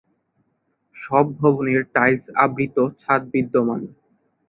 সব ভবনের টাইলস আবৃত ছাদ বিদ্যমান।